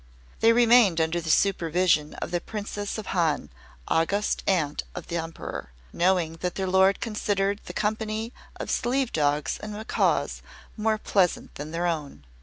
They remained under the supervision of the Princess of Han, August Aunt of the Emperor, knowing that their Lord considered the company of sleeve dogs and macaws more pleasant than their own.